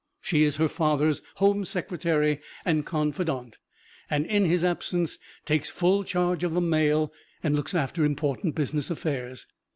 She is her father's "home secretary" and confidante, and in his absence takes full charge of the mail and looks after important business affairs.